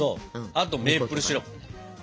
あとメープルシロップ。